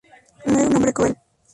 No era un hombre cruel.